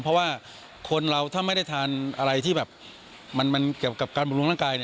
เพราะว่าคนเราไม่ได้ทานอะไรกับการบุรุงร่างกาย